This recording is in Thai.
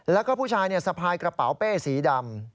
แล้วก็ผู้ชายสะพายกระเป๋าเป้สีดำ